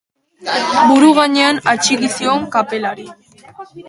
Buru gainean atxiki zion kapelari.